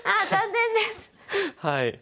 はい。